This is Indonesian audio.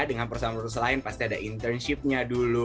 dengan perusahaan perusahaan lain pasti ada internship nya dulu